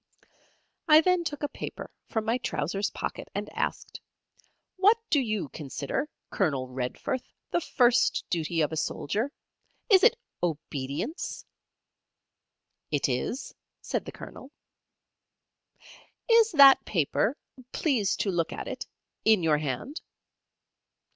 I then took a paper from my trousers pocket, and asked: "What do you consider, Colonel Redforth, the first duty of a soldier? Is it obedience?" "It is," said the Colonel. "Is that paper please to look at it in your hand?"